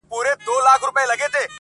ته احمق یې خو له بخته ګړندی یې.!